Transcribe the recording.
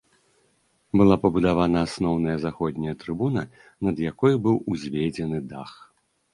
Была пабудавана асноўная заходняя трыбуна, над якой быў узведзены дах.